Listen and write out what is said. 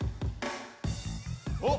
おっ！